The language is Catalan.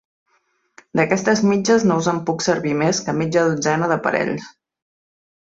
D'aquestes mitges, no us en puc servir més que mitja dotzena de parells.